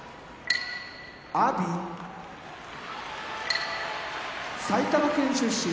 阿炎埼玉県出身